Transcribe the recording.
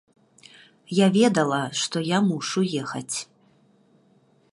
Я ведала, што я мушу ехаць.